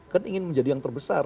kan ingin menjadi yang terbesar